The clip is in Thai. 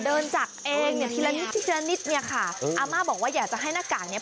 เดินจากเองเนี่ยทีละนิดเนี่ยค่ะอาม่าบอกว่าอยากจะให้นักกากเนี่ย